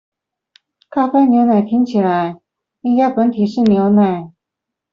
咖啡牛奶聽起來，應該本體是牛奶